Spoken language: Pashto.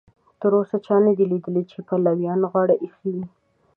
تر اوسه چا نه دي لیدلي چې پلویانو غاړه ایښې وي.